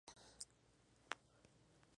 E, taku foe!".